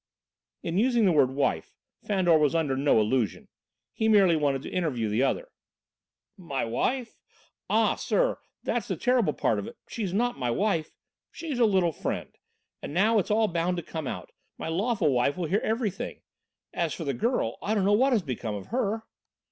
In using the word "wife" Fandor was under no illusion; he merely wanted to interview the other. "My wife? Ah, sir, that's the terrible part of it. She's not my wife she's a little friend, and now it's all bound to come out. My lawful wife will hear everything. As for the girl, I don't know what has become of her."